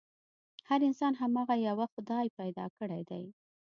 هر انسان هماغه يوه خدای پيدا کړی دی.